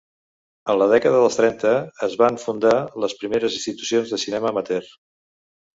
En la dècada dels trenta es van fundar les primeres institucions de cinema amateur.